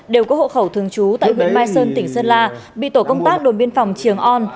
đều có hộ khẩu thường trú tại huyện mai sơn tỉnh sơn la bị tổ công tác đồn biên phòng trường on